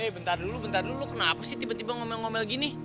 bentar dulu bentar dulu kenapa sih tiba tiba ngomong ngomel gini